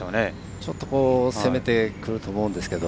ちょっと攻めてくると思うんですけど。